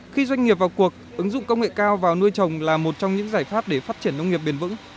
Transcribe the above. khi doanh nghiệp vào cuộc ứng dụng công nghệ cao vào nuôi trồng là một trong những giải pháp để phát triển nông nghiệp bền vững